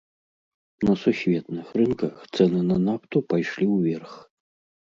На сусветных рынках цэны на нафту пайшлі ўверх.